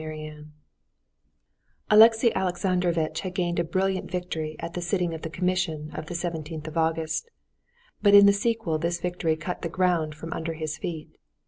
Chapter 6 Alexey Alexandrovitch had gained a brilliant victory at the sitting of the Commission of the 17th of August, but in the sequel this victory cut the ground from under his feet.